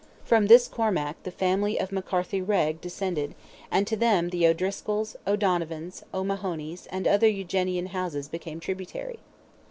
From this Cormac the family of McCarthy Reagh descended, and to them the O'Driscolls, O'Donovans, O'Mahonys, and other Eugenian houses became tributary.